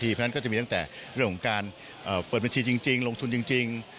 เพราะฉะนั้นก็จะมีตั้งแต่เรื่องของการเปิดบัญชีจริงลงทุนจริง